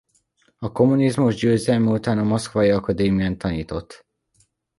A kommunizmus győzelme után a moszkvai akadémián tanított.